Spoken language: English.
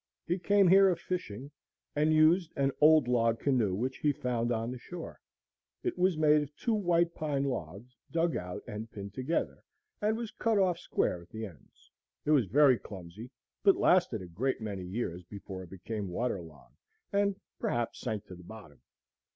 He came here a fishing, and used an old log canoe which he found on the shore. It was made of two white pine logs dug out and pinned together, and was cut off square at the ends. It was very clumsy, but lasted a great many years before it became water logged and perhaps sank to the bottom.